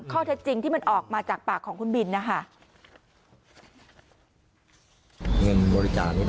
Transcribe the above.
ข้อเท็จจริงที่มันออกมาจากปากของคุณบินนะคะ